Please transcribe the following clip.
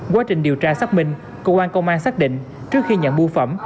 quá trình điều tra xác minh cơ quan công an xác định trước khi nhận bưu phẩm